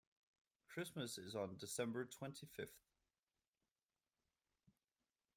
Christmas is on December twenty-fifth.